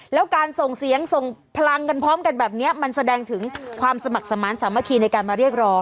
แล้วการส่งเสียงส่งพลังกันพร้อมกันแบบนี้มันแสดงถึงความสมัครสมาร์ทสามัคคีในการมาเรียกร้อง